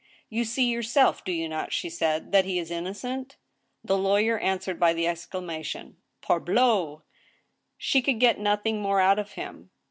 " You see yourself, do you not," she said, *' that he is innocent ?" The lawyer answered by the exclamation : She could get nothing more out of him.